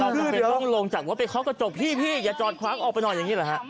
เราทำไมต้องลงจากว่าไปคล้าวกระจกพี่อย่าจอดคว้างออกไปนอนอย่างนี้เหรอฮะ